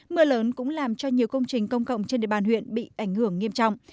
mưa lớn cũng làm cho nhiều công trình công cộng trên địa bàn huyện bị ảnh hưởng nghiêm trọng